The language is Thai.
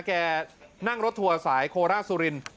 แกนั่งรถทัวร์สายโคราชสุรินทร์